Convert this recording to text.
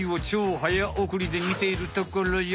早おくりでみているところよ。